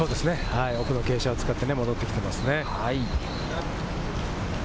奥の傾斜を使って戻ってきてますね。